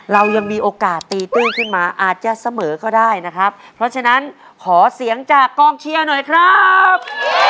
เรายังมีโอกาสตีตื้นขึ้นมาอาจจะเสมอก็ได้นะครับเพราะฉะนั้นขอเสียงจากกองเชียร์หน่อยครับ